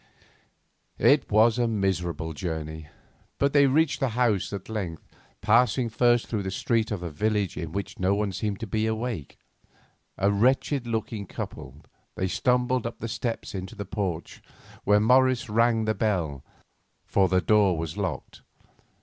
It was a miserable journey, but they reached the house at length, passing first through a street of the village in which no one seemed to be awake. A wretched looking couple, they stumbled up the steps into the porch, where Morris rang the bell, for the door was locked.